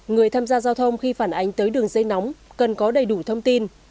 người tham gia giao thông khi phản ánh tới đường dây nóng cần có đầy đủ thông tin